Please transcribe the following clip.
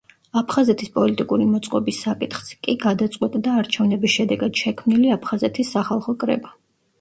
აფხაზეთის პოლიტიკური მოწყობის საკითხს კი გადაწყვეტდა არჩევნების შედეგად შექმნილი აფხაზეთის სახალხო კრება.